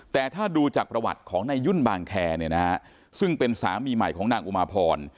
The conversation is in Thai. แต่ถ้าดูจากประวัติของในยุ่นบางแคซึ่งเป็นสามีใหม่ของนางอุมาพร